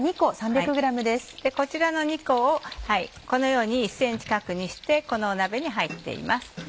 こちらの２個をこのように１ｃｍ角にしてこの鍋に入っています。